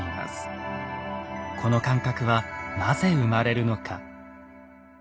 この感覚はなぜ生まれるのか。